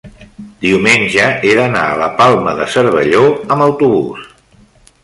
diumenge he d'anar a la Palma de Cervelló amb autobús.